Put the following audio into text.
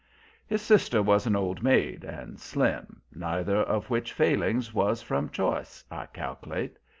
His sister was an old maid, and slim, neither of which failings was from choice, I cal'late.